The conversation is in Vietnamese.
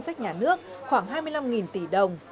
ngân sách nhà nước khoảng hai mươi năm tỷ đồng